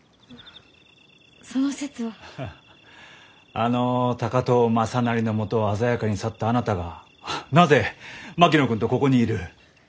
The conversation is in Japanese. あの高藤雅修のもとを鮮やかに去ったあなたがなぜ槙野君とここにいる？